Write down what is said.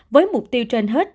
với mục tiêu trên hết